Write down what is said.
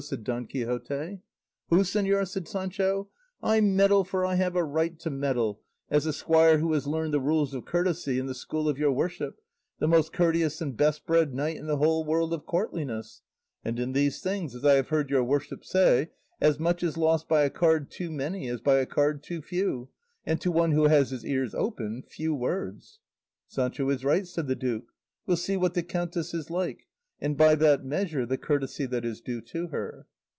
said Don Quixote. "Who, señor?" said Sancho; "I meddle for I have a right to meddle, as a squire who has learned the rules of courtesy in the school of your worship, the most courteous and best bred knight in the whole world of courtliness; and in these things, as I have heard your worship say, as much is lost by a card too many as by a card too few, and to one who has his ears open, few words." "Sancho is right," said the duke; "we'll see what the countess is like, and by that measure the courtesy that is due to her."